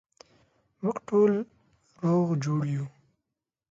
موږ ټوله روغ جوړ یو